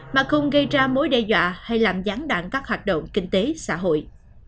mà không gây ra mối đe dọa hay làm gián đoạn các hoạt động kinh tế xã hội